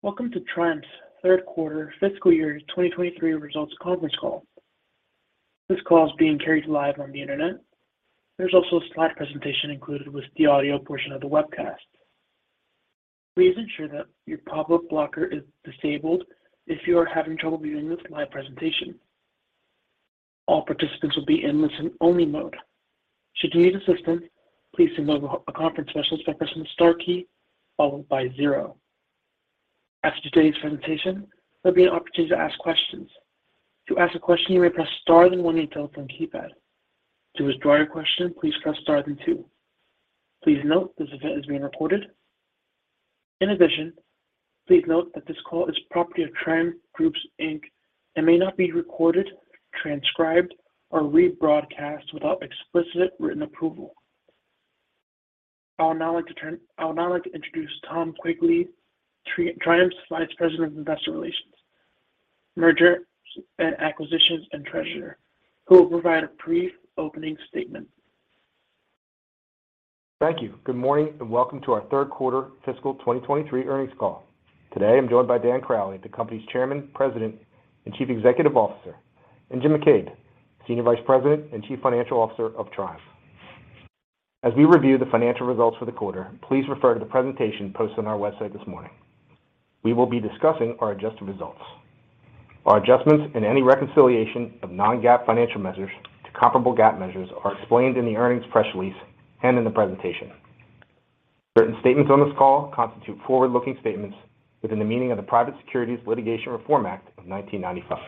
Welcome to Triumph's Third Quarter Fiscal Year 2023 Results Conference Call. This call is being carried live on the Internet. There's also a slide presentation included with the audio portion of the webcast. Please ensure that your pop-up blocker is disabled if you are having trouble viewing the slide presentation. All participants will be in listen-only mode. Should you need assistance, please signal a conference specialist by pressing star key followed by zero. After today's presentation, there'll be an opportunity to ask questions. To ask a question, you may press star then one on your telephone keypad. To withdraw your question, please press star then two. Please note this event is being recorded. In addition, please note that this call is property of Triumph Group, Inc. and may not be recorded, transcribed, or rebroadcast without explicit written approval. I would now like to introduce Thom Quigley, Triumph's Vice President of Investor Relations, Mergers and Acquisitions and Treasurer, who will provide a brief opening statement. Thank you. Good morning, and welcome to our third quarter fiscal 2023 earnings call. Today, I'm joined by Dan Crowley, the company's Chairman, President, and Chief Executive Officer, and Jim McCabe, Senior Vice President and Chief Financial Officer of Triumph. As we review the financial results for the quarter, please refer to the presentation posted on our website this morning. We will be discussing our adjusted results. Our adjustments and any reconciliation of non-GAAP financial measures to comparable GAAP measures are explained in the earnings press release and in the presentation. Certain statements on this call constitute forward-looking statements within the meaning of the Private Securities Litigation Reform Act of 1995.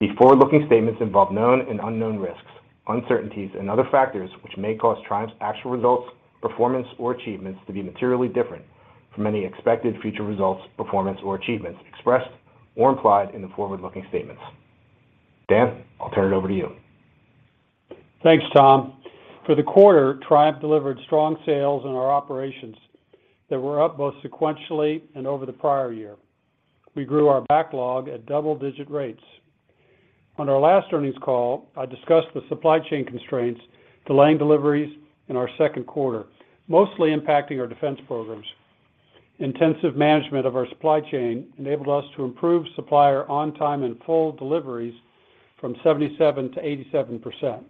These forward-looking statements involve known and unknown risks, uncertainties, and other factors which may cause Triumph's actual results, performance, or achievements to be materially different from any expected future results, performance, or achievements expressed or implied in the forward-looking statements. Dan, I'll turn it over to you. Thanks, Tom. For the quarter, Triumph delivered strong sales in our operations that were up both sequentially and over the prior year. We grew our backlog at double-digit rates. On our last earnings call, I discussed the supply chain constraints delaying deliveries in our second quarter, mostly impacting our defense programs. Intensive management of our supply chain enabled us to improve supplier On-Time In-Full deliveries from 77% to 87%,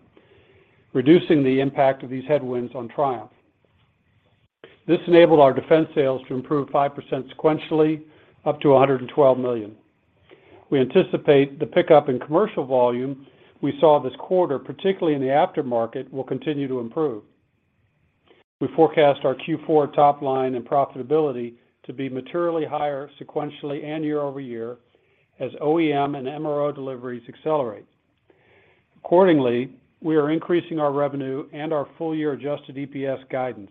reducing the impact of these headwinds on Triumph. This enabled our defense sales to improve 5% sequentially, up to $112 million. We anticipate the pickup in commercial volume we saw this quarter, particularly in the aftermarket, will continue to improve. We forecast our Q4 top line and profitability to be materially higher sequentially and year-over-year as OEM and MRO deliveries accelerate. Accordingly we are increasing our revenue and our full year adjusted EPS guidance.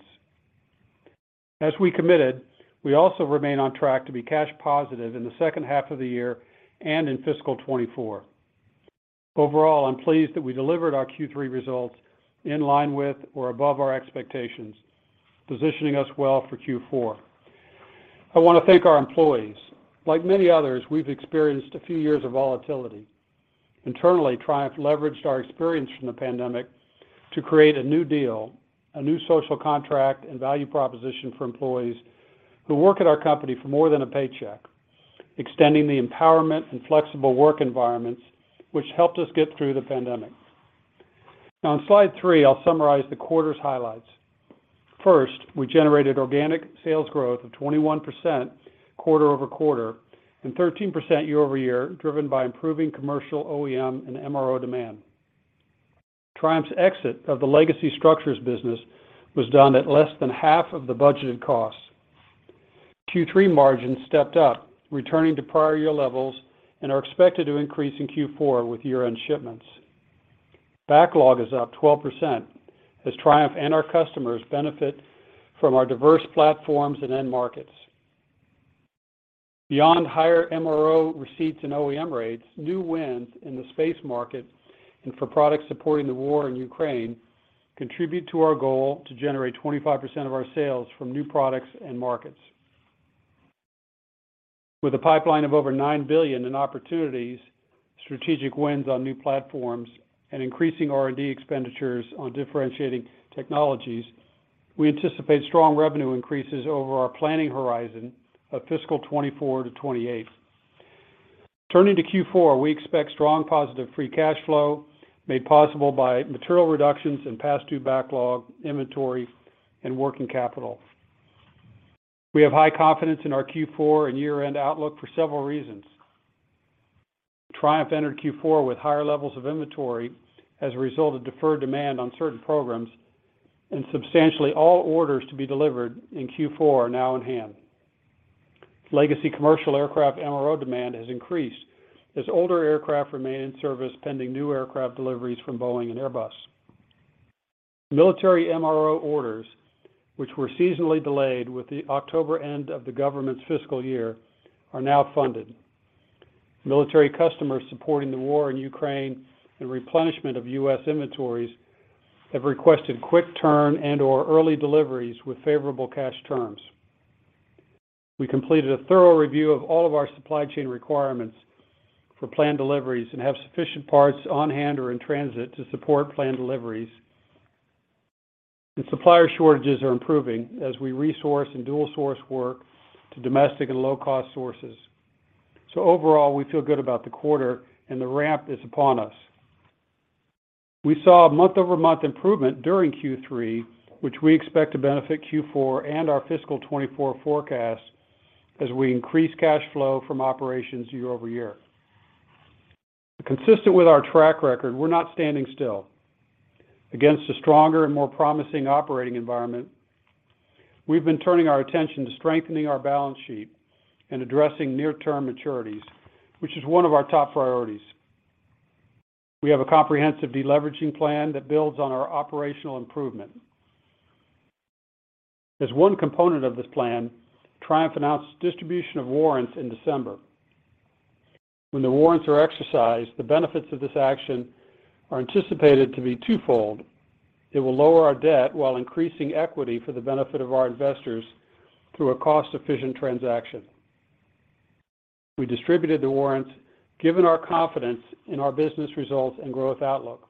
As we committed, we also remain on track to be cash positive in the second half of the year and in fiscal 2024. I'm pleased that we delivered our Q3 results in line with or above our expectations, positioning us well for Q4. I want to thank our employees. Like many others, we've experienced a few years of volatility. Internally, Triumph leveraged our experience from the pandemic to create a new deal, a new social contract and value proposition for employees who work at our company for more than a paycheck, extending the empowerment and flexible work environments which helped us get through the pandemic. On slide three, I'll summarize the quarter's highlights. First, we generated organic sales growth of 21% quarter-over-quarter and 13% year-over-year, driven by improving commercial OEM and MRO demand. Triumph's exit of the legacy structures business was done at less than half of the budgeted costs. Q3 margins stepped up, returning to prior year levels and are expected to increase in Q4 with year-end shipments. Backlog is up 12% as Triumph and our customers benefit from our diverse platforms and end markets. Beyond higher MRO receipts and OEM rates, new wins in the space market and for products supporting the war in Ukraine contribute to our goal to generate 25% of our sales from new products and markets. With a pipeline of over $9 billion in opportunities, strategic wins on new platforms, and increasing R&D expenditures on differentiating technologies, we anticipate strong revenue increases over our planning horizon of fiscal 2024-2028. Turning to Q4, we expect strong positive free cash flow made possible by material reductions in past due backlog, inventory, and working capital. We have high confidence in our Q4 and year-end outlook for several reasons. Triumph entered Q4 with higher levels of inventory as a result of deferred demand on certain programs, and substantially all orders to be delivered in Q4 are now in hand. Legacy commercial aircraft MRO demand has increased as older aircraft remain in service pending new aircraft deliveries from Boeing and Airbus. Military MRO orders, which were seasonally delayed with the October end of the government's fiscal year, are now funded. Military customers supporting the war in Ukraine and replenishment of U.S. inventories have requested quick turn and/or early deliveries with favorable cash terms. We completed a thorough review of all of our supply chain requirements for planned deliveries and have sufficient parts on hand or in transit to support planned deliveries. Supplier shortages are improving as we resource and dual source work to domestic and low-cost sources. Overall, we feel good about the quarter and the ramp is upon us. We saw a month-over-month improvement during Q3, which we expect to benefit Q4 and our fiscal 2024 forecast as we increase cash flow from operations year-over-year. Consistent with our track record, we're not standing still. Against a stronger and more promising operating environment, we've been turning our attention to strengthening our balance sheet and addressing near-term maturities, which is one of our top priorities. We have a comprehensive deleveraging plan that builds on our operational improvement. As one component of this plan, Triumph announced distribution of warrants in December. When the warrants are exercised, the benefits of this action are anticipated to be twofold. It will lower our debt while increasing equity for the benefit of our investors through a cost-efficient transaction. We distributed the warrants given our confidence in our business results and growth outlook.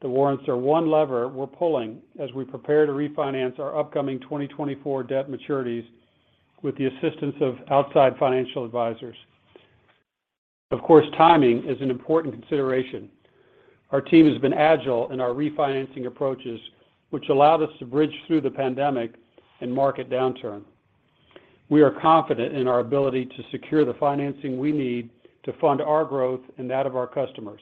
The warrants are one lever we're pulling as we prepare to refinance our upcoming 2024 debt maturities with the assistance of outside financial advisors. Of course, timing is an important consideration. Our team has been agile in our refinancing approaches, which allow us to bridge through the pandemic and market downturn. We are confident in our ability to secure the financing we need to fund our growth and that of our customers.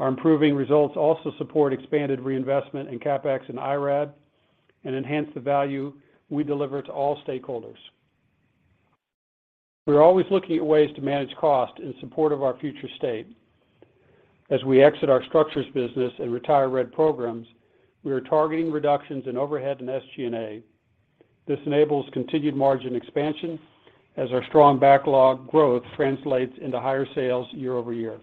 Our improving results also support expanded reinvestment in CapEx and IRAD and enhance the value we deliver to all stakeholders. We're always looking at ways to manage cost in support of our future state. As we exit our structures business and retire R&D programs, we are targeting reductions in overhead and SG&A. This enables continued margin expansion as our strong backlog growth translates into higher sales year-over-year.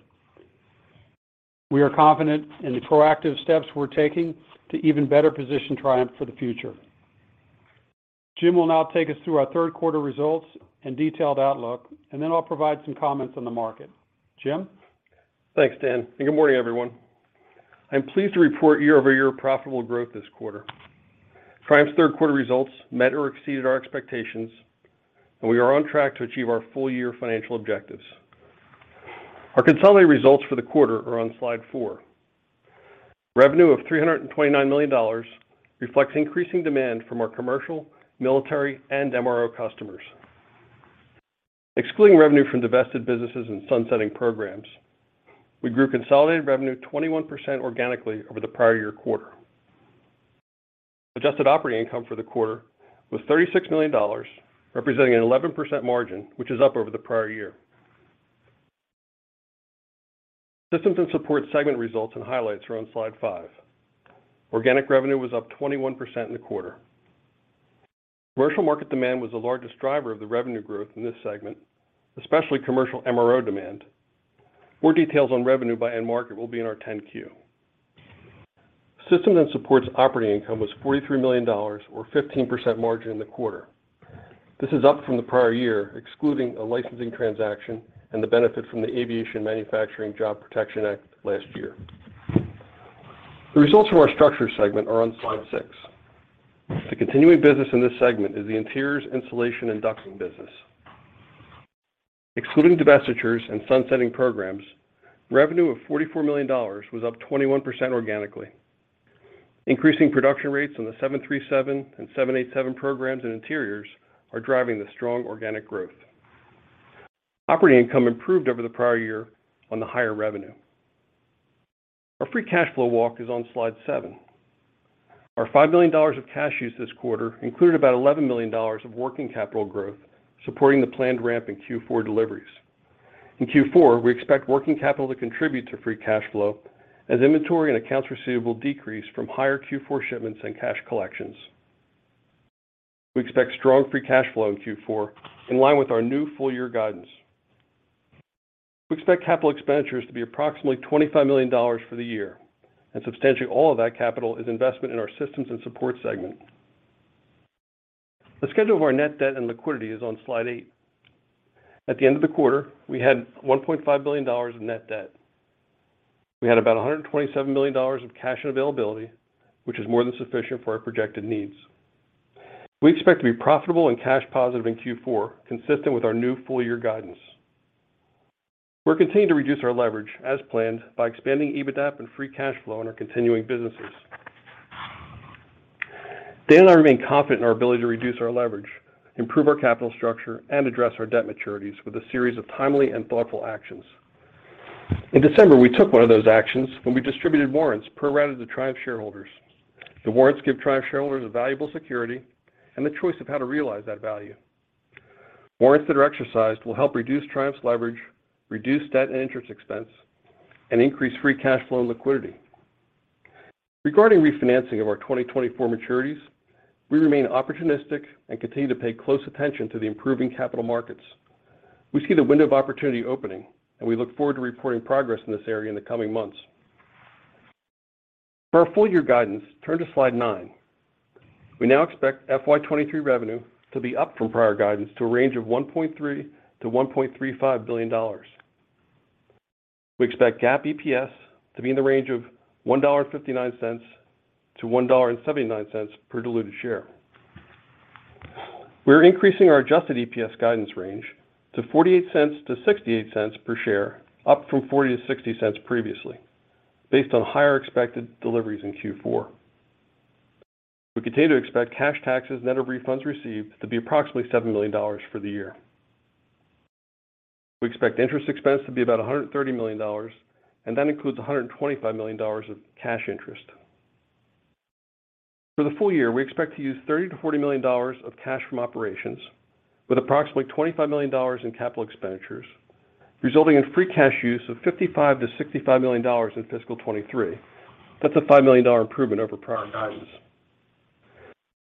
We are confident in the proactive steps we're taking to even better position Triumph for the future. Jim will now take us through our third quarter results and detailed outlook, and then I'll provide some comments on the market. Jim? Thanks, Dan. Good morning, everyone. I'm pleased to report year-over-year profitable growth this quarter. Triumph's third quarter results met or exceeded our expectations, and we are on track to achieve our full year financial objectives. Our consolidated results for the quarter are on slide four. Revenue of $329 million reflects increasing demand from our commercial, military, and MRO customers. Excluding revenue from divested businesses and sunsetting programs, we grew consolidated revenue 21% organically over the prior year quarter. Adjusted operating income for the quarter was $36 million, representing an 11% margin, which is up over the prior year. Systems & Support segment results and highlights are on slide five. Organic revenue was up 21% in the quarter. Commercial market demand was the largest driver of the revenue growth in this segment, especially commercial MRO demand. More details on revenue by end market will be in our 10-Q. Systems & Support operating income was $43 million or 15% margin in the quarter. This is up from the prior year, excluding a licensing transaction and the benefit from the Aviation Manufacturing Jobs Protection Program last year. The results from our structure segment are on slide six. The continuing business in this segment is the interiors, insulation, and ducting business. Excluding divestitures and sunsetting programs, revenue of $44 million was up 21% organically. Increasing production rates on the 737 and 787 programs and interiors are driving the strong organic growth. Operating income improved over the prior year on the higher revenue. Our free cash flow walk is on slide seven. Our $5 million of cash use this quarter included about $11 million of working capital growth supporting the planned ramp in Q4 deliveries. In Q4, we expect working capital to contribute to free cash flow as inventory and accounts receivable decrease from higher Q4 shipments and cash collections. We expect strong free cash flow in Q4 in line with our new full year guidance. We expect capital expenditures to be approximately $25 million for the year, and substantially all of that capital is investment in our Systems & Support segment. The schedule of our net debt and liquidity is on slide eight. At the end of the quarter, we had $1.5 billion in net debt. We had about $127 million of cash and availability, which is more than sufficient for our projected needs. We expect to be profitable and cash positive in Q4, consistent with our new full year guidance. We're continuing to reduce our leverage as planned by expanding EBITDA and free cash flow in our continuing businesses. Dan and I remain confident in our ability to reduce our leverage, improve our capital structure, and address our debt maturities with a series of timely and thoughtful actions. In December, we took one of those actions when we distributed warrants pro rata to Triumph shareholders. The warrants give Triumph shareholders a valuable security and the choice of how to realize that value. Warrants that are exercised will help reduce Triumph's leverage, reduce debt and interest expense, and increase free cash flow and liquidity. Regarding refinancing of our 2024 maturities, we remain opportunistic and continue to pay close attention to the improving capital markets. We see the window of opportunity opening. We look forward to reporting progress in this area in the coming months. For our full year guidance, turn to slide nine. We now expect FY 2023 revenue to be up from prior guidance to a range of $1.3 billion-$1.35 billion. We expect GAAP EPS to be in the range of $1.59-$1.79 per diluted share. We're increasing our adjusted EPS guidance range to $0.48-$0.68 per share, up from $0.40-$0.60 previously, based on higher expected deliveries in Q4. We continue to expect cash taxes net of refunds received to be approximately $7 million for the year. We expect interest expense to be about $130 million, and that includes $125 million of cash interest. For the full year, we expect to use $30 million-$40 million of cash from operations with approximately $25 million in capital expenditures, resulting in free cash use of $55 million-$65 million in fiscal 2023. That's a $5 million improvement over prior guidance.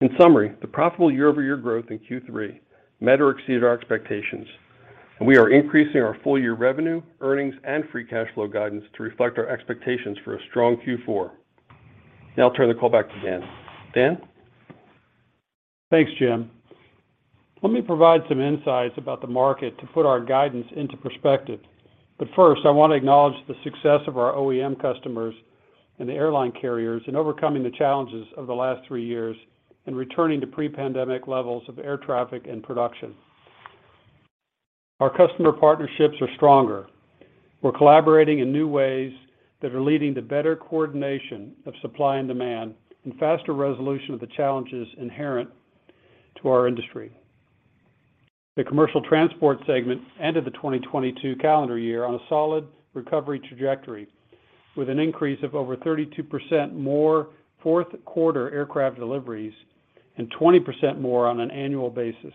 In summary, the profitable year-over-year growth in Q3 met or exceeded our expectations, and we are increasing our full year revenue, earnings, and free cash flow guidance to reflect our expectations for a strong Q4. Now I'll turn the call back to Dan. Dan? Thanks, Jim. Let me provide some insights about the market to put our guidance into perspective. First, I want to acknowledge the success of our OEM customers and the airline carriers in overcoming the challenges of the last three years in returning to pre-pandemic levels of air traffic and production. Our customer partnerships are stronger. We're collaborating in new ways that are leading to better coordination of supply and demand and faster resolution of the challenges inherent to our industry. The commercial transport segment ended the 2022 calendar year on a solid recovery trajectory, with an increase of over 32% more fourth quarter aircraft deliveries and 20% more on an annual basis.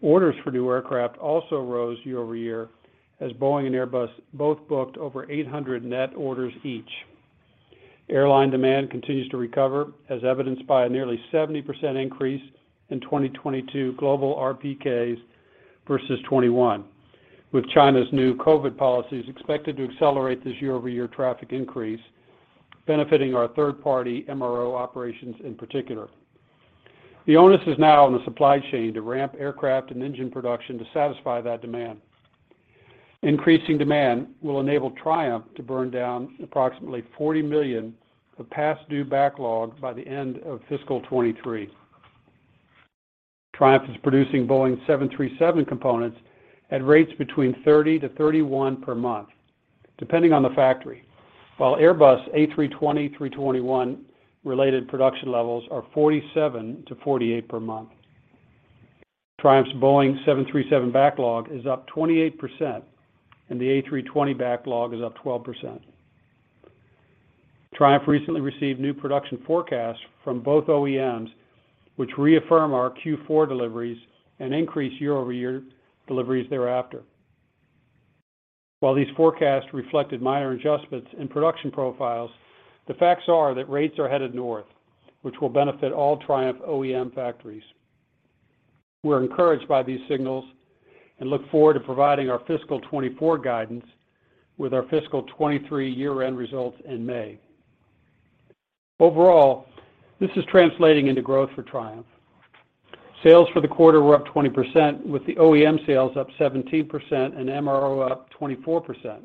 Orders for new aircraft also rose year-over-year as Boeing and Airbus both booked over 800 net orders each. Airline demand continues to recover, as evidenced by a nearly 70% increase in 2022 global RPKs versus 2021, with China's new COVID policies expected to accelerate this year-over-year traffic increase, benefiting our third-party MRO operations in particular. The onus is now on the supply chain to ramp aircraft and engine production to satisfy that demand. Increasing demand will enable Triumph to burn down approximately $40 million of past due backlog by the end of fiscal 2023. Triumph is producing Boeing 737 components at rates between 30-31 per month, depending on the factory, while Airbus A320, A321 related production levels are 47-48 per month. Triumph's Boeing 737 backlog is up 28%, and the A320 backlog is up 12%. Triumph recently received new production forecasts from both OEMs, which reaffirm our Q4 deliveries and increase year-over-year deliveries thereafter. While these forecasts reflected minor adjustments in production profiles, the facts are that rates are headed north, which will benefit all Triumph OEM factories. We're encouraged by these signals and look forward to providing our fiscal 2024 guidance with our fiscal 2023 year-end results in May. Overall, this is translating into growth for Triumph. Sales for the quarter were up 20%, with the OEM sales up 17% and MRO up 24%.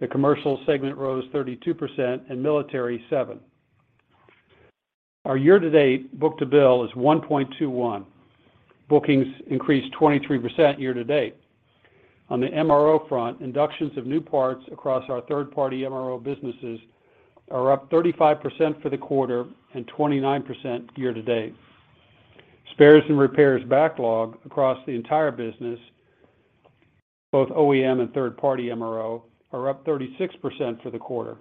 The commercial segment rose 32% and military 7%. Our year-to-date book-to-bill is 1.21. Bookings increased 23% year to date. On the MRO front, inductions of new parts across our third-party MRO businesses are up 35% for the quarter and 29% year to date. Spares and repairs backlog across the entire business, both OEM and third-party MRO, are up 36% for the quarter.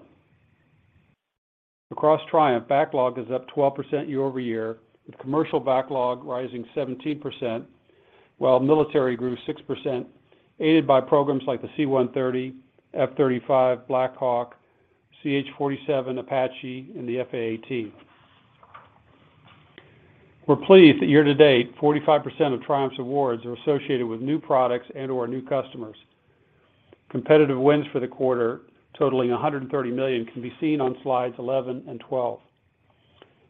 Across Triumph, backlog is up 12% year-over-year, with commercial backlog rising 17%, while military grew 6%, aided by programs like the C-130, F-35, Black Hawk, CH-47, Apache, and the FARA. We're pleased that year to date, 45% of Triumph's awards are associated with new products and/or new customers. Competitive wins for the quarter totaling $130 million can be seen on slides 11 and 12.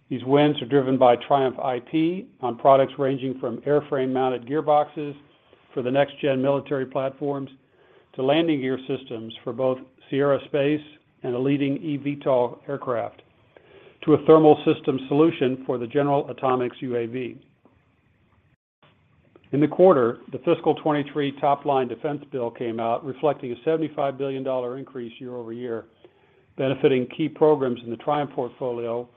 These wins are driven by Triumph IP on products ranging from airframe-mounted gearboxes for the next gen military platforms to landing gear systems for both Sierra Space and a leading eVTOL aircraft, to a thermal system solution for the General Atomics UAV. In the quarter, the fiscal 2023 top-line defense bill came out reflecting a $75 billion increase year over year, benefiting key programs in the Triumph portfolio,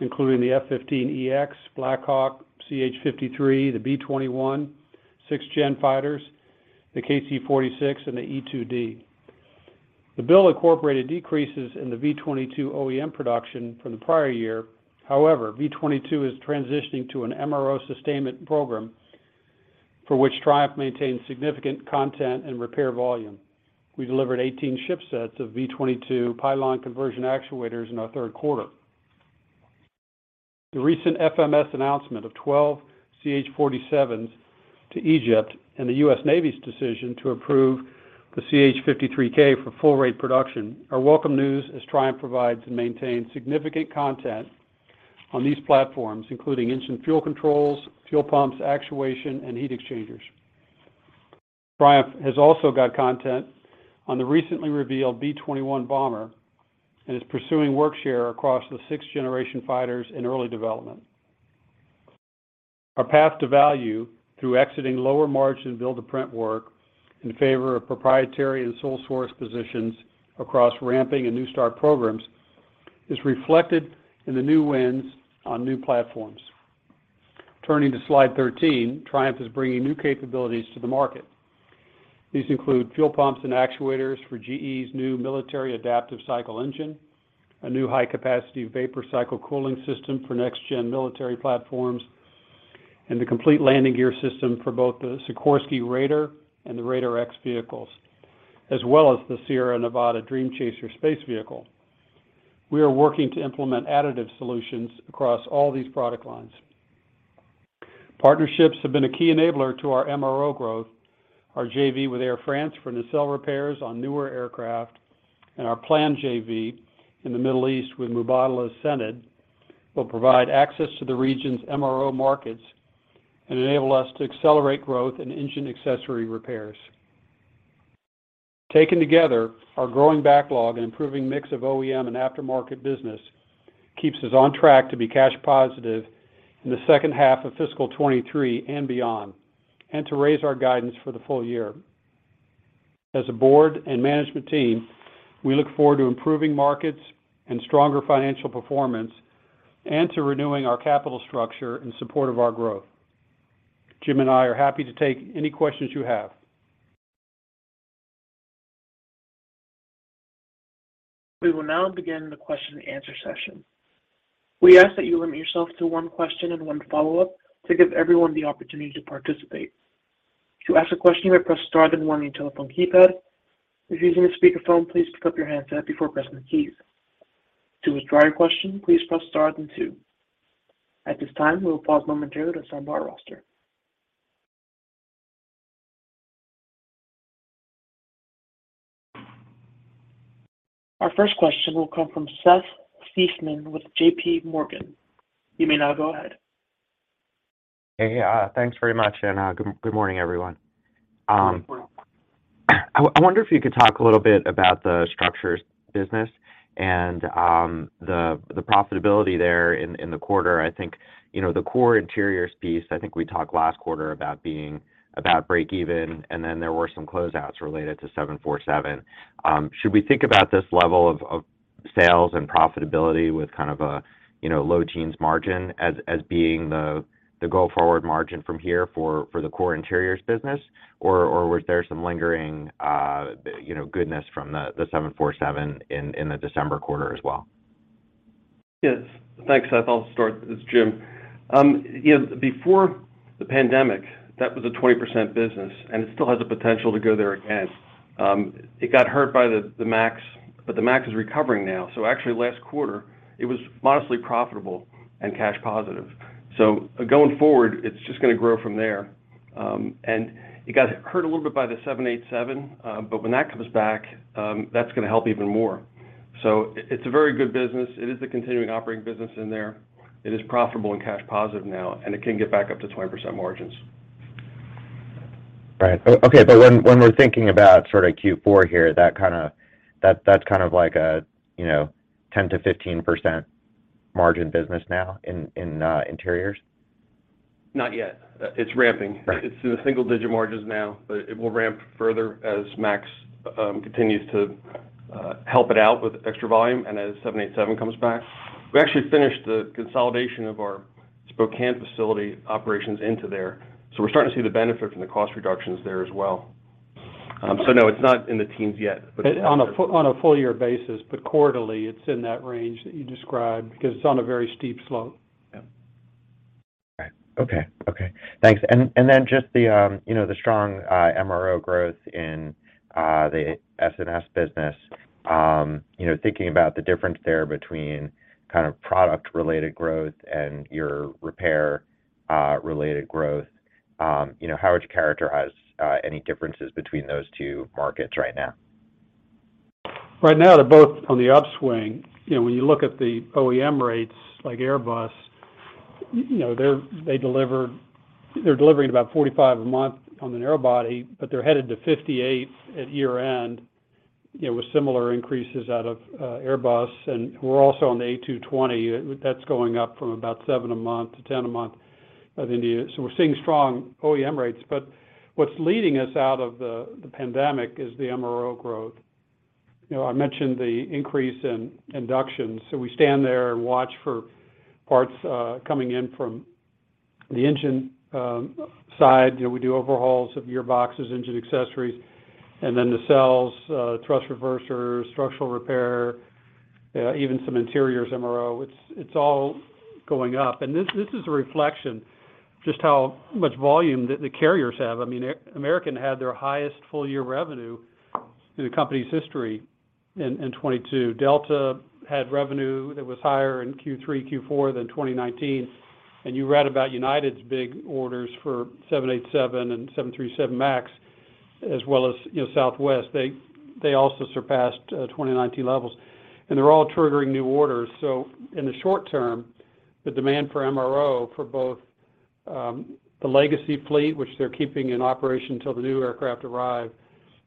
including the F-15EX, Black Hawk, CH-53, the B-21, 6th-gen fighters, the KC-46, and the E-2D. The bill incorporated decreases in the V-22 OEM production from the prior year. However, V-22 is transitioning to an MRO sustainment program, for which Triumph maintains significant content and repair volume. We delivered 18 shipsets of V-22 pylon conversion actuators in our third quarter. The recent FMS announcement of 12 CH-47s to Egypt and the U.S. Navy's decision to approve the CH-53K for full rate production are welcome news as Triumph provides and maintains significant content on these platforms, including engine fuel controls, fuel pumps, actuation, and heat exchangers. Triumph has also got content on the recently revealed B-21 bomber, is pursuing workshare across the sixth-generation fighters in early development. Our path to value through exiting lower margin build-to-print work in favor of proprietary and sole source positions across ramping and new start programs is reflected in the new wins on new platforms. Turning to slide 13, Triumph is bringing new capabilities to the market. These include fuel pumps and actuators for GE's new military Adaptive Cycle Engine, a new high-capacity vapor cycle cooling system for next-gen military platforms, and the complete landing gear system for both the Sikorsky Raider and the Raider X vehicles, as well as the Sierra Nevada Dream Chaser space vehicle. We are working to implement additive solutions across all these product lines. Partnerships have been a key enabler to our MRO growth. Our JV with Air France for nacelle repairs on newer aircraft, our planned JV in the Middle East with Mubadala Sanad will provide access to the region's MRO markets and enable us to accelerate growth in engine accessory repairs. Taken together, our growing backlog and improving mix of OEM and aftermarket business keeps us on track to be cash positive in the second half of fiscal 2023 and beyond, and to raise our guidance for the full year. As a board and management team, we look forward to improving markets and stronger financial performance, and to renewing our capital structure in support of our growth. Jim and I are happy to take any questions you have. We will now begin the question and answer session. We ask that you limit yourself to one question and one follow-up to give everyone the opportunity to participate. To ask a question, press star then one on your telephone keypad. If using a speakerphone, please pick up your handset before pressing the keys. To withdraw your question, please press star then two. At this time, we will pause momentarily to assign bar roster. Our first question will come from Seth Seifman with J.P. Morgan. You may now go ahead. Hey. Thanks very much, and good morning, everyone. Good morning. I wonder if you could talk a little bit about the structures business and the profitability there in the quarter. I think, you know, the core interiors piece, I think we talked last quarter about being about break even, and then there were some closeouts related to 747. Should we think about this level of sales and profitability with kind of a, you know, low teens margin as being the go-forward margin from here for the core interiors business, or was there some lingering, you know, goodness from the 747 in the December quarter as well? Yes. Thanks, Seth. I'll start. This is Jim. You know, before the pandemic, that was a 20% business, and it still has the potential to go there again. It got hurt by the MAX, but the MAX is recovering now, so actually last quarter it was modestly profitable and cash positive. Going forward, it's just gonna grow from there. It got hurt a little bit by the 787, but when that comes back, that's gonna help even more. It's a very good business. It is the continuing operating business in there. It is profitable and cash positive now, and it can get back up to 20% margins. Right. okay, when we're thinking about sort of Q4 here, that's kind of like a, you know, 10%-15% margin business now in interiors? Not yet. It's ramping. Right. It's in the single-digit margins now. It will ramp further as MAX continues to help it out with extra volume and as 787 comes back. We actually finished the consolidation of our Spokane facility operations into there. We're starting to see the benefit from the cost reductions there as well. No, it's not in the teens yet, but. On a full year basis, but quarterly it's in that range that you described because it's on a very steep slope. Yeah. Okay. Thanks. Just the, you know, the strong MRO growth in the S&S business, you know, thinking about the difference there between kind of product-related growth and your repair related growth, you know, how would you characterize any differences between those two markets right now? Right now, they're both on the upswing. You know, when you look at the OEM rates like Airbus, you know, they're delivering about 45 a month on the narrow body, but they're headed to 58 at year-end, you know, with similar increases out of Airbus. We're also on the A220. That's going up from about seven a month to 10 a month at the end of the year. We're seeing strong OEM rates, but what's leading us out of the pandemic is the MRO growth. You know, I mentioned the increase in inductions, we stand there and watch for parts coming in from the engine side. You know, we do overhauls of gearboxes, engine accessories, the cells, thrust reversers, structural repair, even some interiors MRO. It's all going up. This is a reflection just how much volume the carriers have. I mean, American Airlines had their highest full year revenue in the company's history in 2022. Delta Air Lines had revenue that was higher in Q3, Q4 than 2019. You read about United Airlines' big orders for 787 and 737 MAX. As well as, you know, Southwest Airlines Co., they also surpassed 2019 levels. They're all triggering new orders. In the short term, the demand for MRO for both the legacy fleet, which they're keeping in operation till the new aircraft arrive,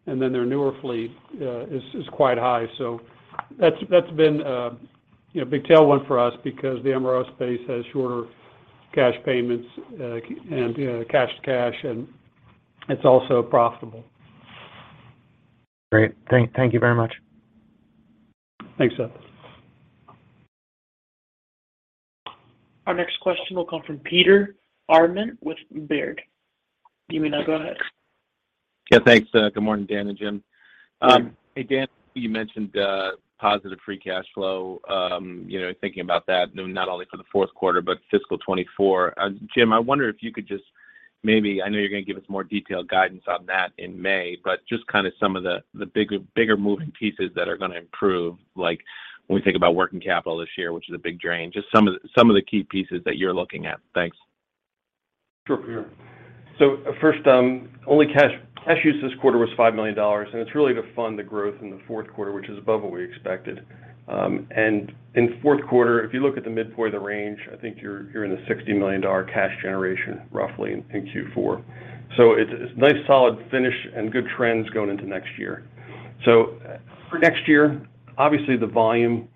and then their newer fleet is quite high. That's been a, you know, big tailwind for us because the MRO space has shorter cash payments and, you know, cash to cash, it's also profitable. Great. Thank you very much. Thanks, Seth. Our next question will come from Peter Arment with Baird. You may now go ahead. Yeah, thanks. Good morning, Dan and Jim. Hey, Dan, you mentioned, positive free cash flow, you know, thinking about that, you know, not only for the fourth quarter, but fiscal 2024. Jim, I wonder if you could just I know you're gonna give us more detailed guidance on that in May, but just kind of some of the bigger moving pieces that are gonna improve, like when we think about working capital this year, which is a big drain, just some of the key pieces that you're looking at. Thanks. First, only cash use this quarter was $5 million, it's really to fund the growth in the fourth quarter, which is above what we expected. In fourth quarter, if you look at the mid-point of the range, I think you're in the $60 million cash generation roughly in Q4. It's, it's nice solid finish and good trends going into next year. For next year, obviously the volume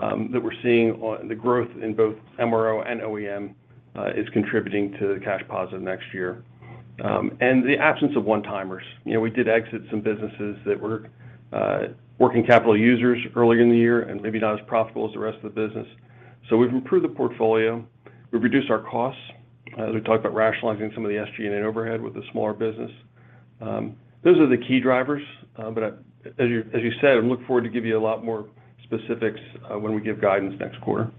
that we're seeing on the growth in both MRO and OEM is contributing to the cash positive next year. The absence of one-timers. You know, we did exit some businesses that were working capital users earlier in the year and maybe not as profitable as the rest of the business. We've improved the portfolio. We've reduced our costs, as we talk about rationalizing some of the SG&A overhead with the smaller business. Those are the key drivers. As you said, I look forward to give you a lot more specifics, when we give guidance next quarter.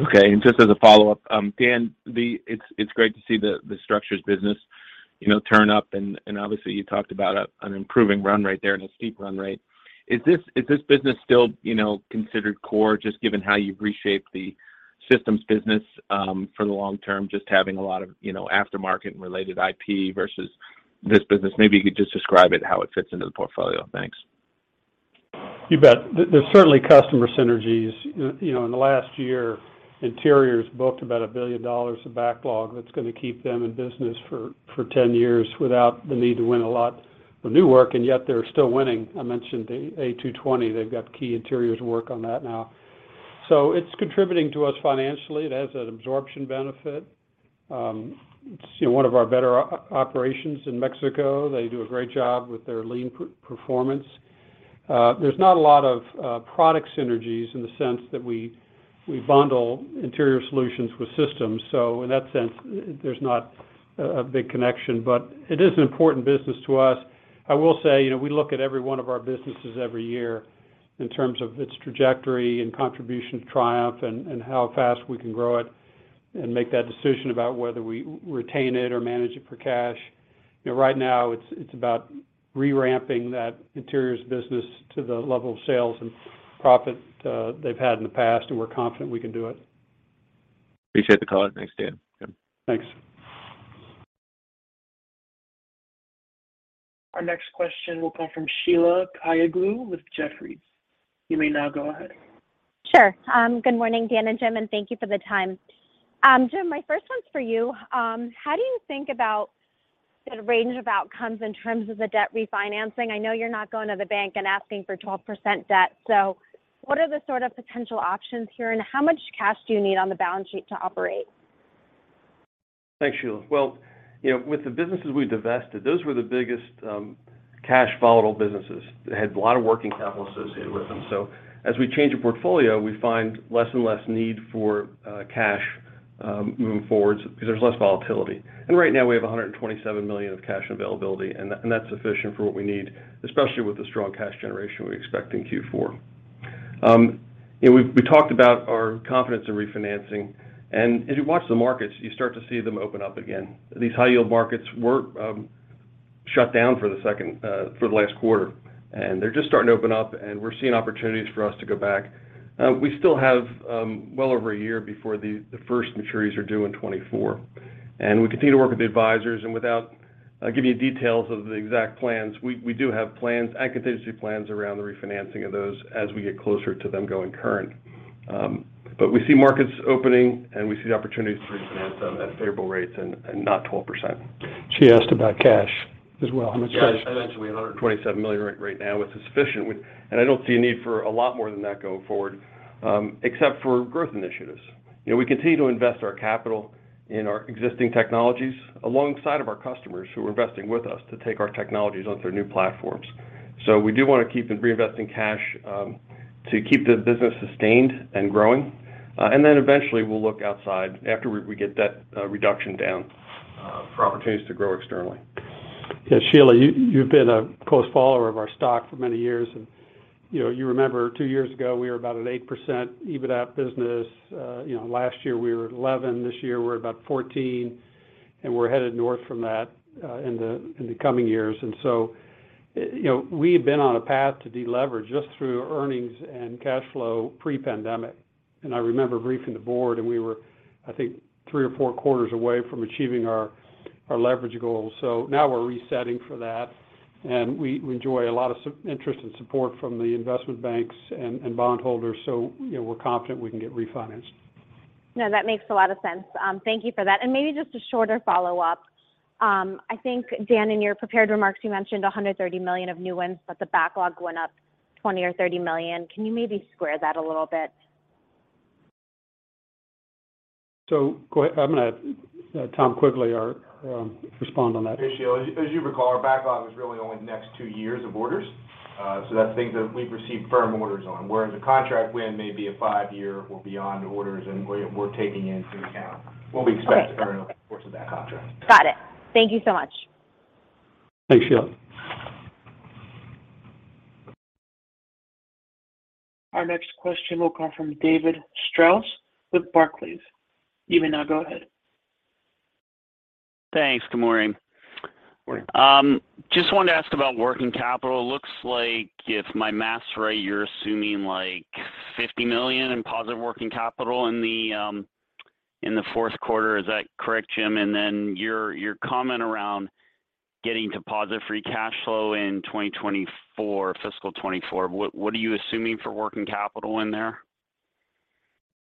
Okay. Just as a follow-up, Dan, it's great to see the structures business, you know, turn up and obviously you talked about an improving run right there and a steep run rate. Is this business still, you know, considered core, just given how you've reshaped the systems business for the long term, just having a lot of, you know, aftermarket and related IP versus this business? Maybe you could just describe it, how it fits into the portfolio. Thanks. You bet. There's certainly customer synergies. You know, in the last year, Interiors booked about $1 billion of backlog that's gonna keep them in business for 10 years without the need to win a lot of new work, and yet they're still winning. I mentioned the A220. They've got key interiors work on that now. So it's contributing to us financially. It has that absorption benefit. It's, you know, one of our better operations in Mexico. They do a great job with their lean performance. There's not a lot of product synergies in the sense that we bundle interior solutions with systems. So in that sense, there's not a big connection, but it is an important business to us. I will say, you know, we look at every one of our businesses every year in terms of its trajectory and contribution to Triumph and how fast we can grow it and make that decision about whether we retain it or manage it for cash. You know, right now it's about re-ramping that interiors business to the level of sales and profit they've had in the past, and we're confident we can do it. Appreciate the color. Thanks, Dan. Yeah. Thanks. Our next question will come from Sheila Kahyaoglu with Jefferies. You may now go ahead. Sure. Good morning, Dan and Jim, and thank you for the time. Jim, my first one's for you. How do you think about the range of outcomes in terms of the debt refinancing? I know you're not going to the bank and asking for 12% debt. What are the sort of potential options here, and how much cash do you need on the balance sheet to operate? Thanks, Sheila. You know, with the businesses we divested, those were the biggest cash volatile businesses that had a lot of working capital associated with them. As we change the portfolio, we find less and less need for cash moving forward because there's less volatility. Right now we have $127 million of cash availability, and that's sufficient for what we need, especially with the strong cash generation we expect in Q4. You know, we talked about our confidence in refinancing, as you watch the markets, you start to see them open up again. These high yield markets were shut down for the last quarter, they're just starting to open up, we're seeing opportunities for us to go back. We still have well over a year before the first maturities are due in 2024. We continue to work with the advisors, and without giving you details of the exact plans, we do have plans and contingency plans around the refinancing of those as we get closer to them going current. We see markets opening, and we see the opportunities to refinance them at favorable rates and not 12%. She asked about cash as well, how much cash? Yeah. I mentioned we have $127 million right now, which is sufficient. I don't see a need for a lot more than that going forward, except for growth initiatives. You know, we continue to invest our capital in our existing technologies alongside of our customers who are investing with us to take our technologies onto their new platforms. We do wanna keep reinvesting cash, to keep the business sustained and growing. Then eventually we'll look outside after we get that reduction down for opportunities to grow externally. Yeah. Sheila, you've been a close follower of our stock for many years. You know, you remember two years ago, we were about an 8% EBITDA business. You know, last year we were at 11. This year we're about 14, we're headed north from that in the coming years. You know, we had been on a path to deleverage just through earnings and cash flow pre-pandemic. I remember briefing the board, and we were, I think, three or four quarters away from achieving our leverage goals. Now we're resetting for that, and we enjoy a lot of interest and support from the investment banks and bondholders. You know, we're confident we can get refinanced. No, that makes a lot of sense. thank you for that. Maybe just a shorter follow-up. I think, Dan, in your prepared remarks, you mentioned $130 million of new wins, but the backlog went up $20 million-$30 million. Can you maybe square that a little bit? I'm gonna, Thom Quigley, our, respond on that. Hey, Sheila. As you recall, our backlog was really only the next two years of orders. That's things that we've received firm orders on, whereas a contract win may be a five-year or beyond orders and we're taking into account what we expect- Right. to earn over the course of that contract. Got it. Thank you so much. Thanks, Sheila. Our next question will come from David Strauss with Barclays. You may now go ahead. Thanks. Good morning. Morning. Just wanted to ask about working capital. Looks like if my math's right, you're assuming like $50 million in positive working capital in the fourth quarter. Is that correct, Jim? Then your comment around getting to positive free cash flow in 2024, fiscal 2024. What are you assuming for working capital in there?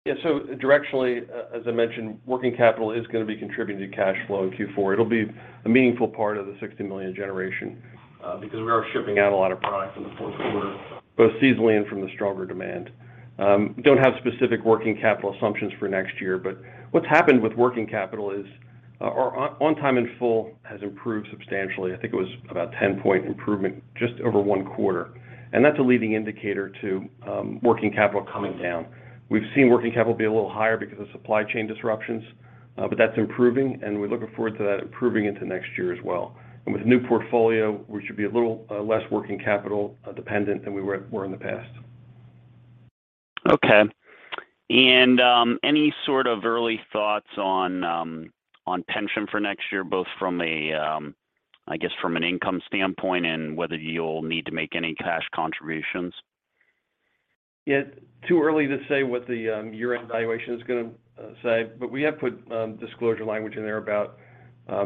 Yeah. Directionally, as I mentioned, working capital is gonna be contributing to cash flow in Q4. It'll be a meaningful part of the $60 million generation, because we are shipping out a lot of products in the fourth quarter, both seasonally and from the stronger demand. Don't have specific working capital assumptions for next year, but what's happened with working capital is our On-Time In-Full has improved substantially. I think it was about 10-point improvement just over one quarter. That's a leading indicator to working capital coming down. We've seen working capital be a little higher because of supply chain disruptions, but that's improving, and we're looking forward to that improving into next year as well. With new portfolio, we should be a little less working capital dependent than we were in the past. Okay. any sort of early thoughts on pension for next year, both from a, I guess from an income standpoint and whether you'll need to make any cash contributions? Yeah. Too early to say what the year-end valuation is gonna say, but we have put disclosure language in there about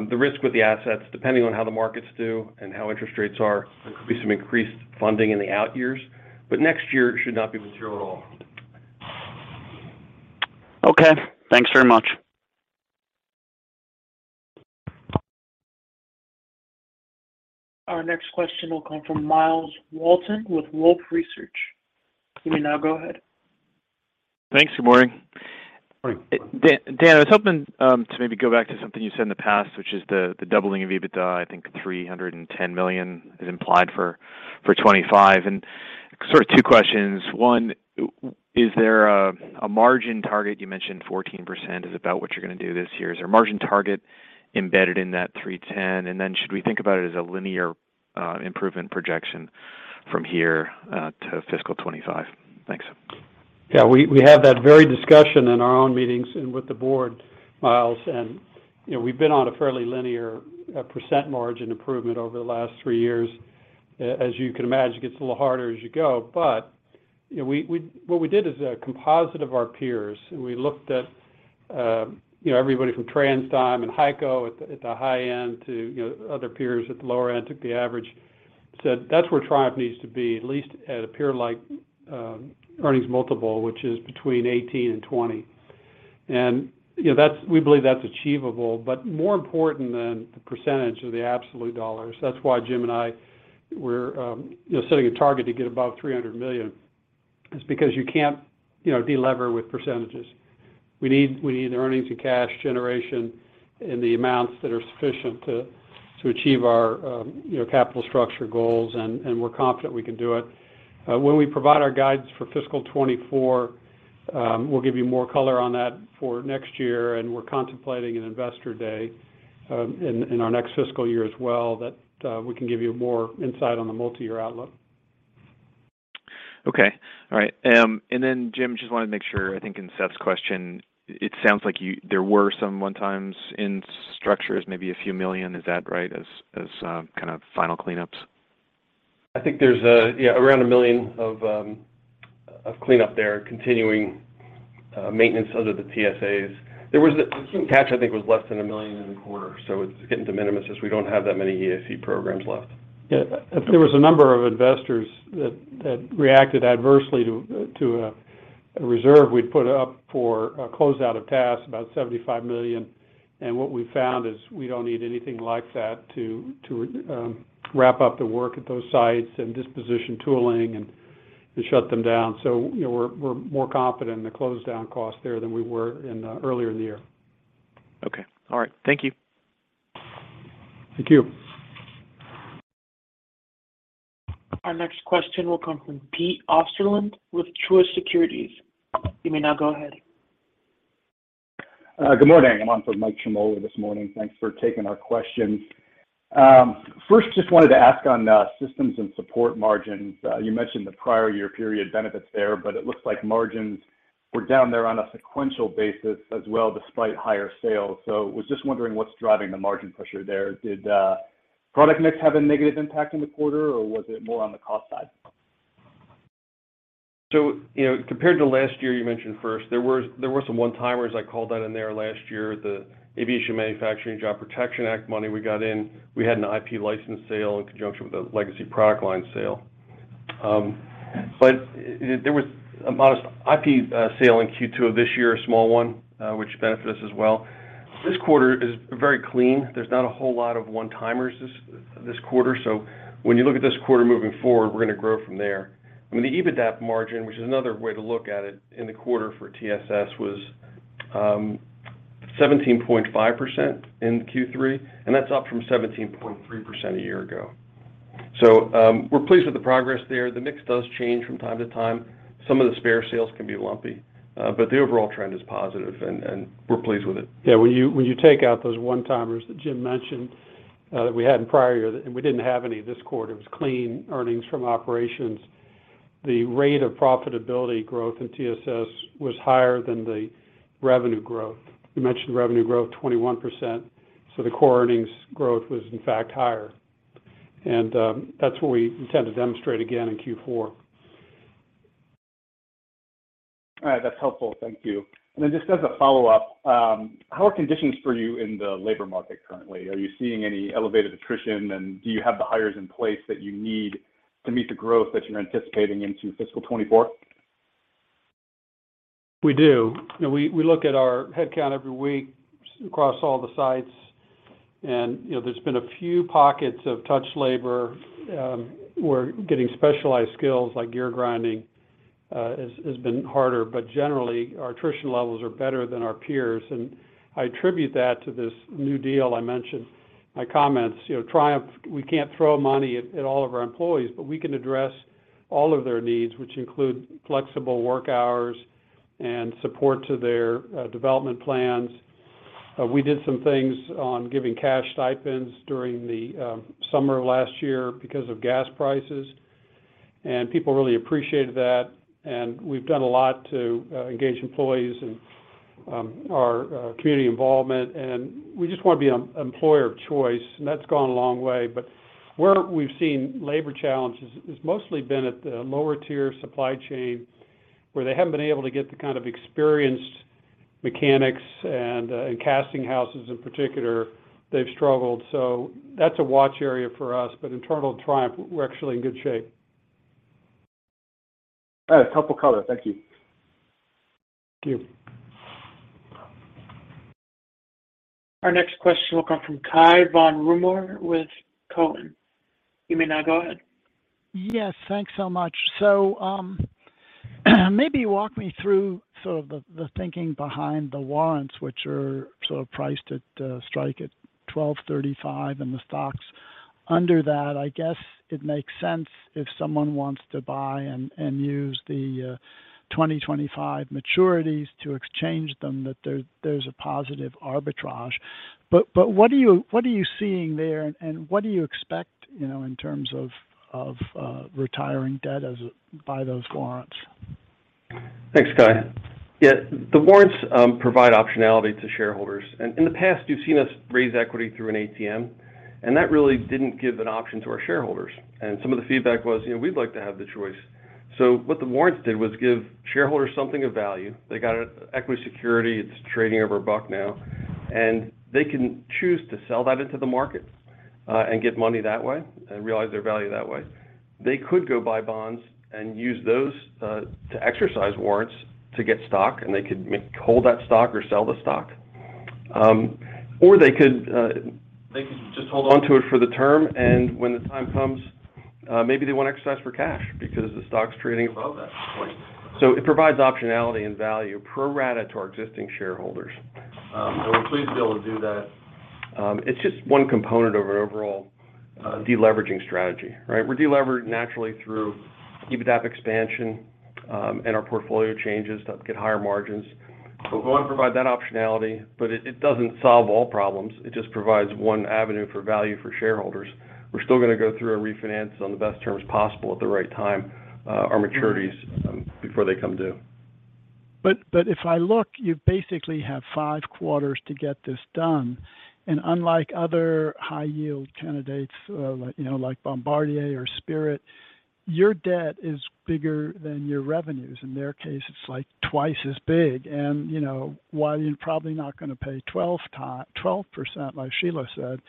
the risk with the assets. Depending on how the markets do and how interest rates are, there could be some increased funding in the out years. Next year, it should not be material at all. Okay. Thanks very much. Our next question will come from Myles Walton with Wolfe Research. You may now go ahead. Thanks. Good morning. Morning. Dan, I was hoping to maybe go back to something you said in the past, which is the doubling of EBITDA, I think $310 million is implied for 2025. Sort of two questions. One, is there a margin target? You mentioned 14% is about what you're gonna do this year. Is there a margin target embedded in that $310? Should we think about it as a linear improvement projection from here to fiscal 2025? Thanks. Yeah. We had that very discussion in our own meetings and with the board, Myles. You know, we've been on a fairly linear % margin improvement over the last three years. As you can imagine, it gets a little harder as you go. You know, we what we did is a composite of our peers, and we looked at, everybody from TransDigm and HEICO at the high end to other peers at the lower end, took the average, said that's where Triumph needs to be, at least at a peer-like earnings multiple, which is between 18 and 20. You know, that's we believe that's achievable. More important than the % are the absolute dollars. That's why Jim and I, we're, you know, setting a target to get above $300 million is because you can't, you know, delever with percentages. We need earnings and cash generation in the amounts that are sufficient to achieve our, you know, capital structure goals, and we're confident we can do it. When we provide our guidance for fiscal 2024, we'll give you more color on that for next year. We're contemplating an investor day, in our next fiscal year as well that we can give you more insight on the multi-year outlook. Okay. All right. Jim, just wanted to make sure, I think in Seth's question, it sounds like there were some one-times in structures, maybe a few million. Is that right, as kind of final cleanups? I think there's a, yeah, around $1 million of cleanup there, continuing maintenance under the TSAs. The catch I think was less than $1 million in the quarter, so it's getting de minimis, just we don't have that many EAC programs left. Yeah. There was a number of investors that reacted adversely to a reserve we'd put up for a closeout of TASC, about $75 million. What we found is we don't need anything like that to wrap up the work at those sites and disposition tooling and shut them down. You know, we're more confident in the closedown cost there than we were in the earlier in the year. Okay. All right. Thank you. Thank you. Our next question will come from Pete Osterland with Truist Securities. You may now go ahead. Good morning. I'm on for Michael Ciarmoli this morning. Thanks for taking our questions. First, just wanted to ask on Systems & Support margins. You mentioned the prior year period benefits there, but it looks like margins we're down there on a sequential basis as well, despite higher sales. Was just wondering what's driving the margin pressure there. Did product mix have a negative impact in the quarter, or was it more on the cost side? You know, compared to last year, you mentioned first, there were some one-timers. I called that in there last year, the Aviation Manufacturing Job Protection Act money we got in. We had an IP license sale in conjunction with a legacy product line sale. There was a modest IP sale in Q2 of this year, a small one, which benefited us as well. This quarter is very clean. There's not a whole lot of one-timers this quarter. When you look at this quarter moving forward, we're gonna grow from there. I mean, the EBITDA margin, which is another way to look at it, in the quarter for TSS was 17.5% in Q3, and that's up from 17.3% a year ago. We're pleased with the progress there. The mix does change from time to time. Some of the spare sales can be lumpy, but the overall trend is positive and we're pleased with it. Yeah. When you, when you take out those one-timers that Jim mentioned, that we had in prior years, and we didn't have any this quarter, it was clean earnings from operations. The rate of profitability growth in TSS was higher than the revenue growth. You mentioned revenue growth 21%, so the core earnings growth was in fact higher. That's what we intend to demonstrate again in Q4. All right. That's helpful. Thank you. Just as a follow-up, how are conditions for you in the labor market currently? Are you seeing any elevated attrition, and do you have the hires in place that you need to meet the growth that you're anticipating into fiscal 2024? We do. You know, we look at our headcount every week across all the sites and, you know, there's been a few pockets of touch labor, where getting specialized skills like gear grinding, has been harder. Generally, our attrition levels are better than our peers, and I attribute that to this new deal I mentioned in my comments. You know, Triumph, we can't throw money at all of our employees, but we can address all of their needs, which include flexible work hours and support to their development plans. We did some things on giving cash stipends during the summer of last year because of gas prices. People really appreciated that. We've done a lot to engage employees in our community involvement, and we just wanna be an employer of choice, and that's gone a long way. Where we've seen labor challenges has mostly been at the lower tier supply chain, where they haven't been able to get the kind of experienced mechanics and in casting houses in particular, they've struggled. That's a watch area for us. Internal Triumph, we're actually in good shape. All right. Helpful color. Thank you. Thank you. Our next question will come from Cai von Rumohr with Cowen. You may now go ahead. Yes. Thanks so much. Maybe walk me through sort of the thinking behind the warrants, which are sort of priced at strike at $12.35, and the stock's under that. I guess it makes sense if someone wants to buy and use the 2025 maturities to exchange them, that there's a positive arbitrage. What are you seeing there, and what do you expect, you know, in terms of retiring debt by those warrants? Thanks, Cai. Yeah. The warrants provide optionality to shareholders. In the past, you've seen us raise equity through an ATM, and that really didn't give an option to our shareholders. Some of the feedback was, you know, "We'd like to have the choice." What the warrants did was give shareholders something of value. They got an equity security. It's trading over $1 now. They can choose to sell that into the market and get money that way and realize their value that way. They could go buy bonds and use those to exercise warrants to get stock, and they could hold that stock or sell the stock. Or they could, they could just hold onto it for the term, and when the time comes, maybe they wanna exercise for cash because the stock's trading above that point. It provides optionality and value pro rata to our existing shareholders. We're pleased to be able to do that. It's just one component of our overall de-leveraging strategy, right? We're de-levered naturally through EBITDA expansion, and our portfolio changes to get higher margins. We wanna provide that optionality, but it doesn't solve all problems. It just provides one avenue for value for shareholders. We're still gonna go through and refinance on the best terms possible at the right time, our maturities, before they come due. If I look, you basically have five quarters to get this done. Unlike other high-yield candidates, like, you know, like Bombardier or Spirit, your debt is bigger than your revenues. In their case, it's like two times as big. You know, while you're probably not gonna pay 12%, like Sheila said,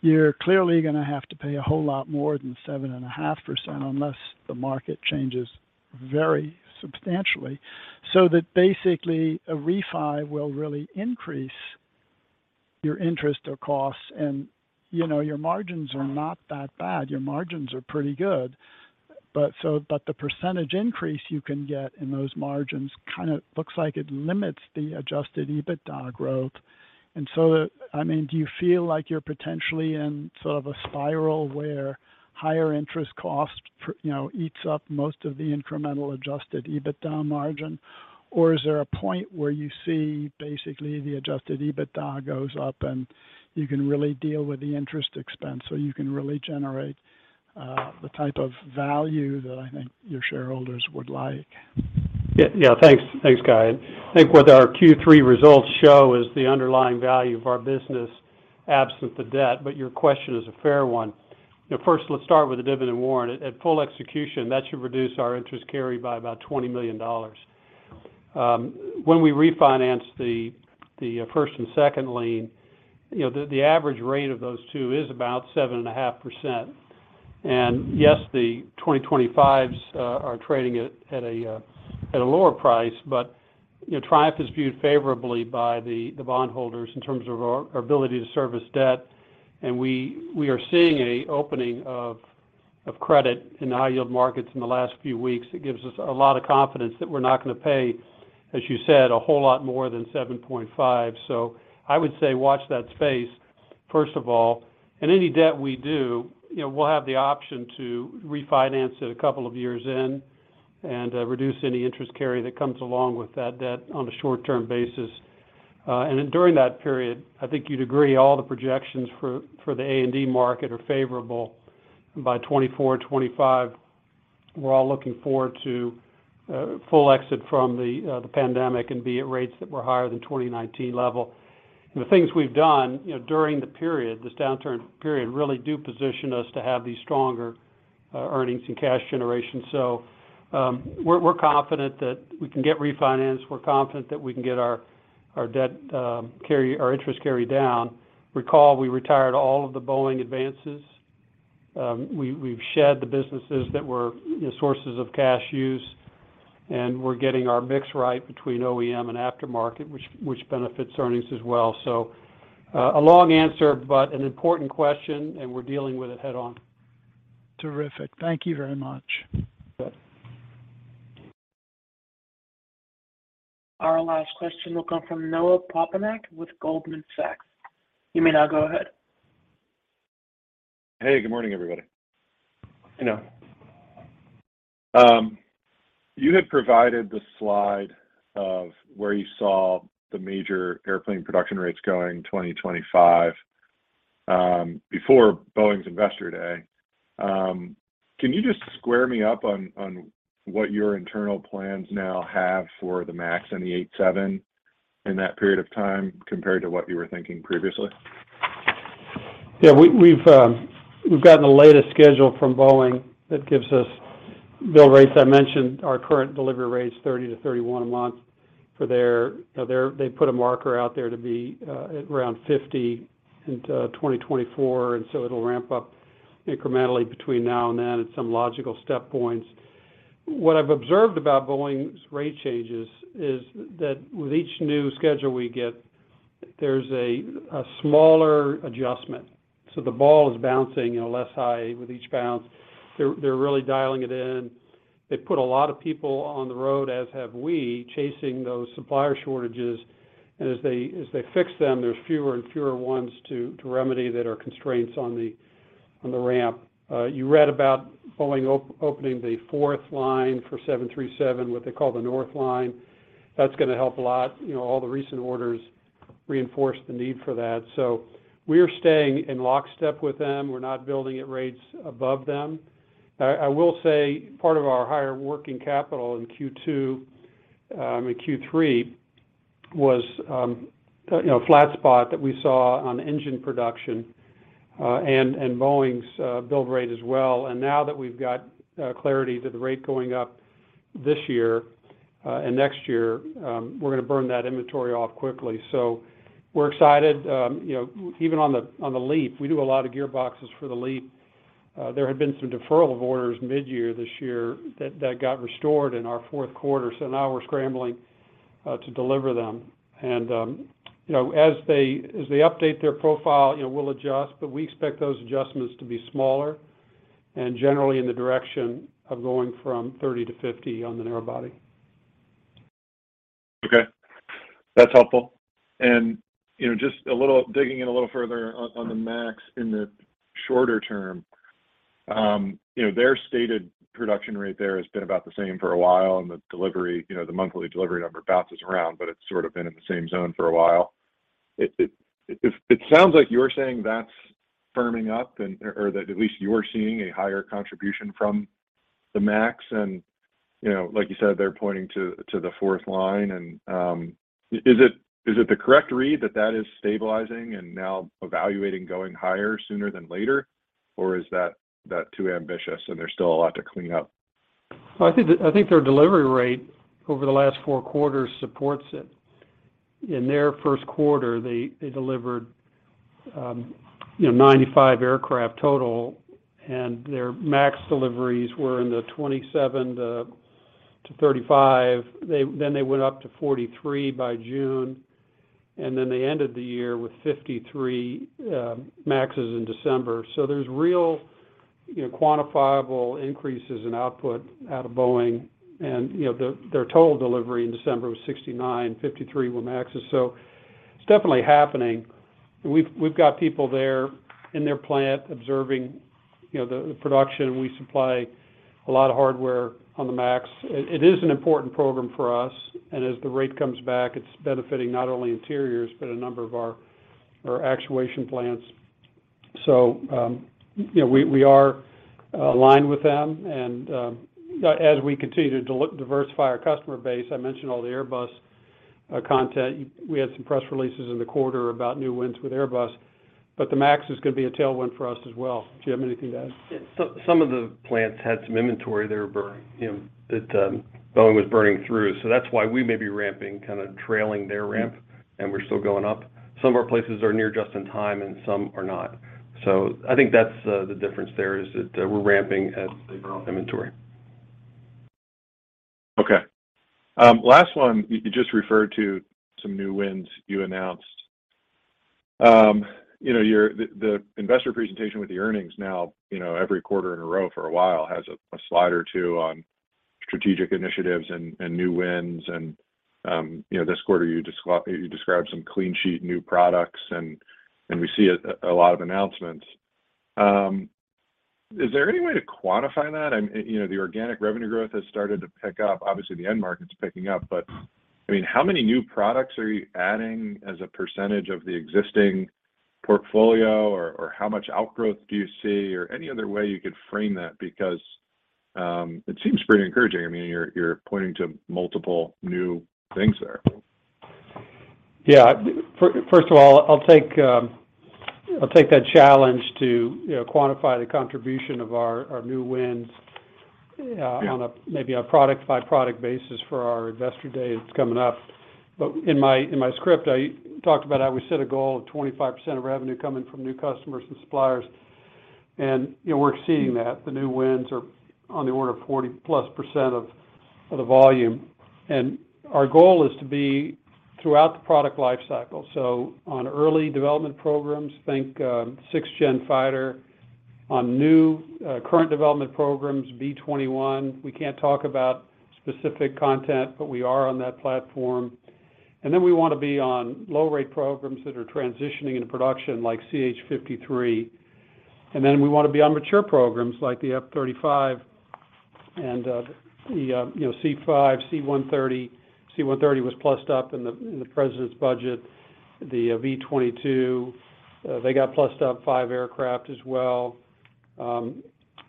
you're clearly gonna have to pay a whole lot more than 7.5% unless the market changes very substantially. That basically a refi will really increase your interest or costs. You know, your margins are not that bad. Your margins are pretty good. The percentage increase you can get in those margins kinda looks like it limits the adjusted EBITDA growth. And so i mean, do you feel like you're potentially in sort of a spiral where higher interest costs for, you know, eats up most of the incremental adjusted EBITDA margin? Or is there a point where you see basically the adjusted EBITDA goes up, and you can really deal with the interest expense, so you can really generate the type of value that I think your shareholders would like? Yeah, thanks. Thanks, Cai. I think what our Q3 results show is the underlying value of our business absent the debt, but your question is a fair one. You know, first, let's start with the dividend warrant. At full execution, that should reduce our interest carry by about $20 million. When we refinance the first and second lien, you know, the average rate of those two is about 7.5%. Yes, the 2025s are trading at a lower price, but, you know, Triumph is viewed favorably by the bondholders in terms of our ability to service debt. We are seeing a opening of credit in the high-yield markets in the last few weeks that gives us a lot of confidence that we're not gonna pay, as you said, a whole lot more than 7.5. I would say watch that space, first of all. Any debt we do, you know, we'll have the option to refinance it a couple of years in and reduce any interest carry that comes along with that debt on a short-term basis. Then during that period, I think you'd agree all the projections for the A&D market are favorable. By 2024, 2025, we're all looking forward to full exit from the pandemic and be at rates that were higher than 2019 level. The things we've done, you know, during the period, this downturn period, really do position us to have these stronger earnings and cash generation. We're confident that we can get refinanced. We're confident that we can get our debt carry, our interest carry down. Recall, we retired all of the Boeing advances. We've shed the businesses that were, you know, sources of cash use, and we're getting our mix right between OEM and aftermarket, which benefits earnings as well. A long answer, but an important question, and we're dealing with it head-on. Terrific. Thank you very much. You bet. Our last question will come from Noah Poponak with Goldman Sachs. You may now go ahead. Hey, good morning, everybody. Hello. You had provided the slide of where you saw the major airplane production rates going 2025, before Boeing's Investor Day. Can you just square me up on what your internal plans now have for the MAX and the 787 in that period of time compared to what you were thinking previously? Yeah, we've gotten the latest schedule from Boeing that gives us build rates. I mentioned our current delivery rate is 30 to 31 a month for their. Now, they put a marker out there to be at around 50 in 2024, so it'll ramp up incrementally between now and then at some logical step points. What I've observed about Boeing's rate changes is that with each new schedule we get, there's a smaller adjustment. The ball is bouncing, you know, less high with each bounce. They're really dialing it in. They put a lot of people on the road, as have we, chasing those supplier shortages. As they fix them, there's fewer and fewer ones to remedy that are constraints on the ramp. You read about Boeing opening the fourth line for 737, what they call the North Line. That's going to help a lot. You know, all the recent orders reinforce the need for that. We're staying in lockstep with them. We're not building at rates above them. I will say part of our higher working capital in Q2, I mean, Q3, was, you know, flat spot that we saw on engine production and Boeing's build rate as well. Now that we've got clarity to the rate going up this year and next year, we're going to burn that inventory off quickly. We're excited. You know, even on the LEAP, we do a lot of gearboxes for the LEAP. There had been some deferral of orders midyear this year that got restored in our fourth quarter, so now we're scrambling to deliver them. You know, as they update their profile, you know, we'll adjust, but we expect those adjustments to be smaller and generally in the direction of going from 30-50 on the narrow body. Okay. That's helpful. You know, digging in a little further on the MAX in the shorter term, you know, their stated production rate there has been about the same for a while, and the delivery, you know, the monthly delivery number bounces around, but it's sort of been in the same zone for a while. It sounds like you're saying that's firming up or that at least you're seeing a higher contribution from the MAX and, you know, like you said, they're pointing to the fourth line. Is it the correct read that that is stabilizing and now evaluating going higher sooner than later? Or is that too ambitious and there's still a lot to clean up? I think that, I think their delivery rate over the last 4 quarters supports it. In their 1st quarter they delivered, you know, 95 aircraft total, and their Max deliveries were in the 27-35. They went up to 43 by June, and then they ended the year with 53 Maxes in December. There's real, you know, quantifiable increases in output out of Boeing and, you know, their total delivery in December was 69, 53 were Maxes. It's definitely happening. We've got people there in their plant observing, you know, the production. We supply a lot of hardware on the Max. It is an important program for us. As the rate comes back, it's benefiting not only interiors, but a number of our actuation plants. You know, we are aligned with them as we continue to diversify our customer base. I mentioned all the Airbus content. We had some press releases in the quarter about new wins with Airbus, the MAX is going to be a tailwind for us as well. Do you have anything to add? Some of the plants had some inventory they were you know, that Boeing was burning through, so that's why we may be ramping, kinda trailing their ramp, and we're still going up. Some of our places are near just in time, and some are not. I think that's the difference there is that we're ramping as they burn inventory. Okay. Last one, you just referred to some new wins you announced. You know, the investor presentation with the earnings now, you know, every quarter in a row for a while has a slide or two on strategic initiatives and new wins and, you know, this quarter you described some clean sheet new products and we see a lot of announcements. Is there any way to quantify that? I mean, you know, the organic revenue growth has started to pick up. Obviously, the end market's picking up, but, I mean, how many new products are you adding as a percentage of the existing portfolio, or how much outgrowth do you see or any other way you could frame that? It seems pretty encouraging. I mean, you're pointing to multiple new things there. Yeah. First of all, I'll take that challenge to, you know, quantify the contribution of our new wins on a maybe a product-by-product basis for our investor day that's coming up. In my script, I talked about how we set a goal of 25% of revenue coming from new customers and suppliers, and you know, we're exceeding that. The new wins are on the order of 40%+ of the volume. Our goal is to be throughout the product life cycle. So on early development programs, think 6th-gen fighter. On new current development programs, B-21, we can't talk about specific content, but we are on that platform. We wanna be on low-rate programs that are transitioning into production like CH-53. Then we wanna be on mature programs like the F-35 and, you know, C-5, C-130. C-130 was plussed up in the President's budget. The V-22, they got plussed up five aircraft as well. You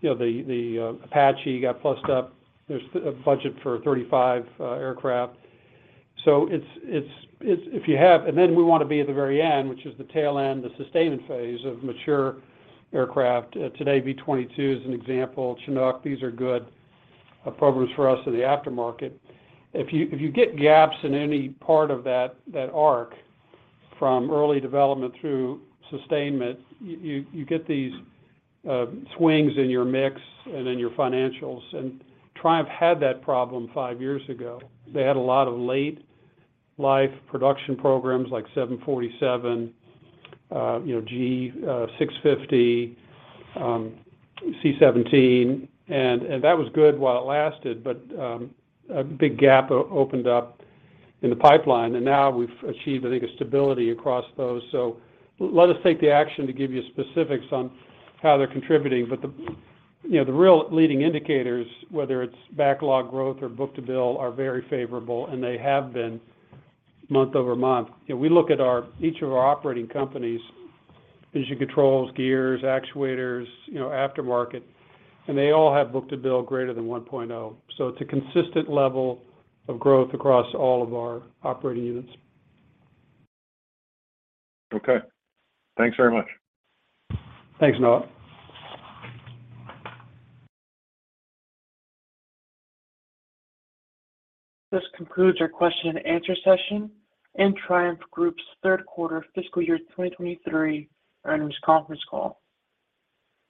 know, Apache got plussed up. There's a budget for 35 aircraft. It's if you have. Then we wanna be at the very end, which is the tail end, the sustainment phase of mature aircraft. Today, V-22 is an example. Chinook, these are good programs for us in the aftermarket. If you get gaps in any part of that arc from early development through sustainment, you get these swings in your mix and in your financials. Triumph had that problem five years ago. They had a lot of late-life production programs like 747, you know, G650, C-17, and that was good while it lasted, but a big gap opened up in the pipeline. Now we've achieved, I think, a stability across those. Let us take the action to give you specifics on how they're contributing. The, you know, the real leading indicators, whether it's backlog growth or book-to-bill, are very favorable, and they have been month-over-month. You know, we look at our, each of our operating companies, engine controls, gears, actuators, you know, aftermarket, and they all have book-to-bill greater than 1.0. It's a consistent level of growth across all of our operating units. Okay. Thanks very much. Thanks, Noah. This concludes our question and answer session and Triumph Group's third quarter fiscal year 2023 earnings conference call.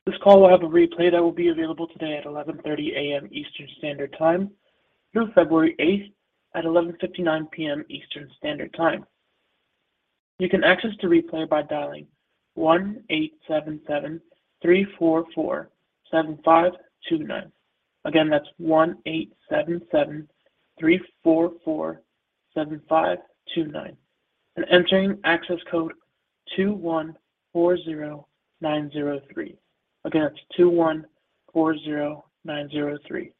This call will have a replay that will be available today at 11:30 A.M. Eastern Standard Time through February 8th at 11:59 P.M. Eastern Standard Time. You can access the replay by dialing 1-877-344-7529. Again, that's 1-877-344-7529 and entering access code 2140903. Again, that's 2140903.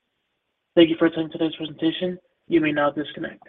Thank you for attending today's presentation. You may now disconnect.